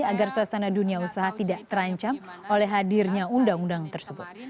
agar suasana dunia usaha tidak terancam oleh hadirnya undang undang tersebut